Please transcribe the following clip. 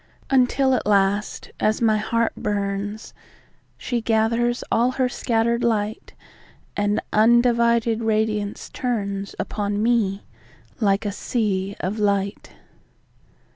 Until at last, as my heart burns, She gathers all her scatter'd light, And undivided radiance turnsUpon me like a sea of light.